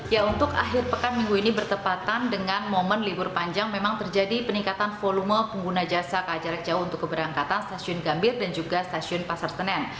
ya untuk akhir pekan minggu ini bertepatan dengan momen libur panjang memang terjadi peningkatan volume pengguna jasa ka jarak jauh untuk keberangkatan stasiun gambir dan juga stasiun pasar senen